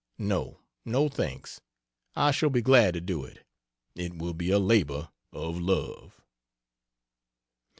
No, no thanks I shall be glad to do it it will be a labor of love."